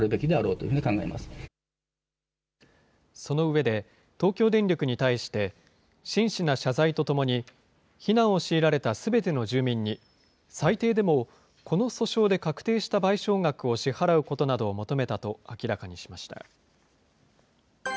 その上で、東京電力に対して、真摯な謝罪とともに、避難を強いられたすべての住民に、最低でもこの訴訟で確定した賠償額を支払うことなどを求めたと明らかにしました。